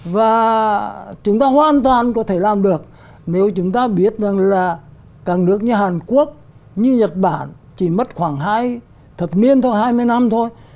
và chúng ta hoàn toàn có thể làm được nếu chúng ta biết rằng là các nước như hàn quốc như nhật bản chỉ mất khoảng hai thập niên thôi hai mươi năm thôi